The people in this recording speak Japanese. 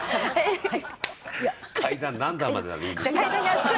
階段何段までならいいんですか？